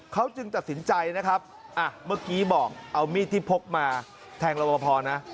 เขาจึงตัดสินใจนะครับอ่ะเมื่อกี้บอกเอามีดที่พกมาแทงรบพอนะ